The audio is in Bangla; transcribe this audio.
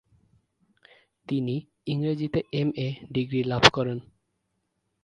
তিনি ইংরেজিতে এম. এ. ডিগ্রি লাভ করেন।